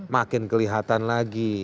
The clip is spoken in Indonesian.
makin kelihatan lagi